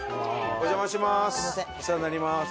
お邪魔します。